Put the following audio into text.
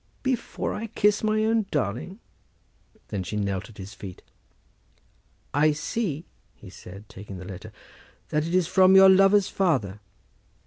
"Before I kiss my own darling?" Then she knelt at his feet. "I see," he said, taking the letter; "it is from your lover's father.